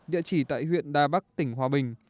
địa chỉ tại huyện đà bắc tỉnh hòa bình